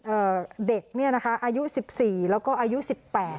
เด็กเนี่ยนะคะอายุสิบสี่แล้วก็อายุสิบแปด